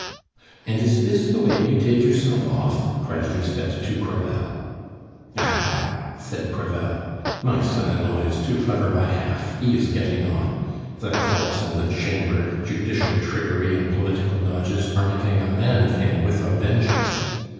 "And is this the way you take yourself off?" cried Lisbeth to Crevel. "Ah, ha!" said Crevel, "my son in law is too clever by half; he is getting on. The Courts and the Chamber, judicial trickery and political dodges, are making a man of him with a vengeance!